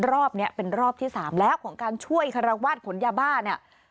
รอบนี้เป็นรอบที่๓แล้วของการช่วยคารวาสขนยาบ้าเนี่ย